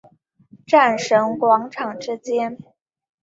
战神广场之间。